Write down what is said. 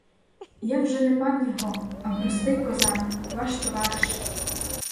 Я вже не пан його, а простий козак, ваш товариш.